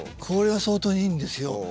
これが相当にいいんですよ。